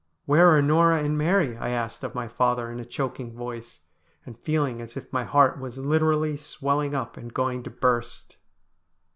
' "Where are Norah and Mary ?' I asked of my father in a choking voice, and feeling as if my heart was literally swelling up and going to burst.